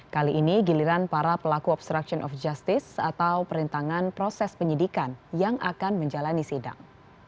kali ini giliran para pelaku obstruction of justice atau perintangan proses penyidikan yang akan menjalani sidang